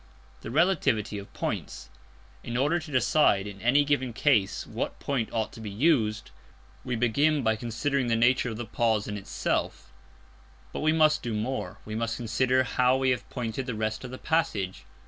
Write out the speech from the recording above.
_ The Relativity of Points. In order to decide in any given case what point ought to be used, we begin by considering the nature of the pause in itself. But we must do more. We must consider how we have pointed the rest of the passage.